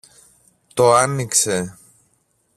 το άνοιξε